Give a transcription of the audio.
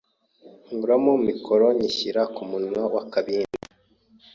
nkuramo micro nyishyira mu munwa w’akabindi